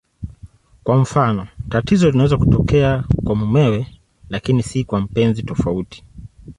Kwa mfano, tatizo linaweza kutokea kwa mumewe lakini si kwa mpenzi tofauti.